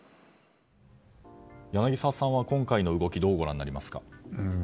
柳澤さんは今回の動きどうご覧になりますか？